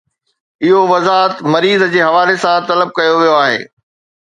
اهو وضاحت مريض جي حوالي سان طلب ڪيو ويو آهي